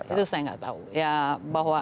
itu saya tidak tahu